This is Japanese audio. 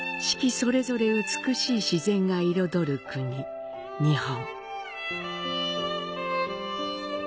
それぞれ美しい自然が彩る国、日本。